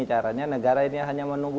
caranya negara ini hanya menunggu